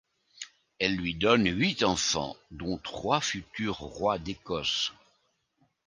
Elle lui donne huit enfants, dont trois futurs rois d'Écosse.